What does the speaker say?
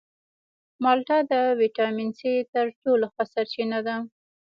مالټه د ویټامین سي تر ټولو ښه سرچینه ده.